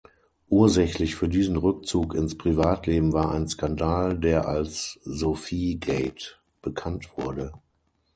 Ursächlich für diesen Rückzug ins Privatleben war ein Skandal, der als "Sophie-Gate" bekannt wurde.